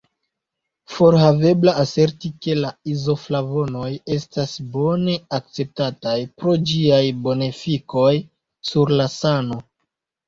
Forhavebla aserti ke la izoflavonoj estas bone akceptataj pro ĝiaj bonefikoj sur la sano.